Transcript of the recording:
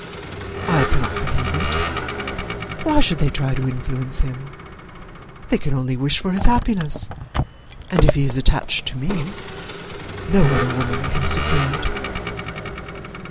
"I cannot believe it. Why should they try to influence him? They can only wish his happiness; and if he is attached to me no other woman can secure it."